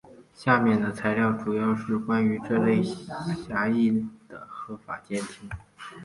下面的材料主要是关于这种狭义的合法监听。